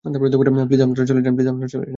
Please আপনারা চলে যান।